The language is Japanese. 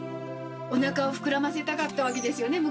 おなかを膨らませたかったわけですよね昔はね。